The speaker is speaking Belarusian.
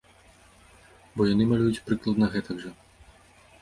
Бо яны малююць прыкладна гэтак жа.